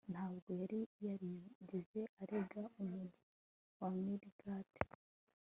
ntabwo yari yarigeze arenga umujyi wa marigat